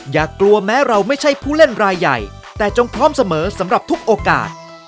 อย่ากลัวแม้เราไม่ใช่ผู้เล่นรายใหญ่แต่จงพร้อมเสมอสำหรับทุกโอกาส